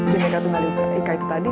bineka tunggal ika itu tadi